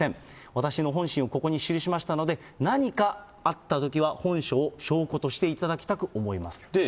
私の本心をここに記しましたので、何かあったときは、本書を証拠としていただきたく思います。